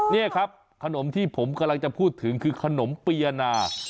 นี่ครับขนมที่ผมกำลังจะพูดถึงคือขนมเปียนา